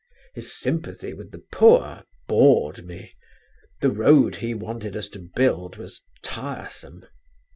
His sympathy with the poor bored me: the road he wanted us to build was tiresome.